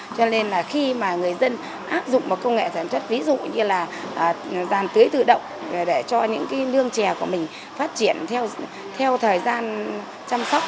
cho nên là khi mà người dân áp dụng một công nghệ sản xuất ví dụ như là giàn tưới tự động để cho những nương trè của mình phát triển theo thời gian chăm sóc